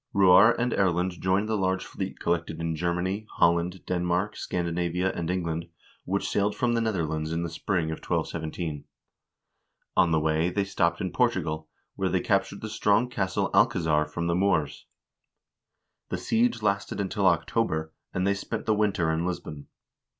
Roar and Erlend joined the large fleet collected in Germany, Holland, Denmark, Scandinavia, and England, which sailed from the Netherlands in the spring of 1217. On the way they ctopped in Portugal, where they captured the strong castle Alcazar from the Moors. The siege lasted until October, and they spent the winter in Lisbon.